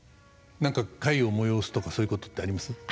何か会を催すとかそういうことってあります？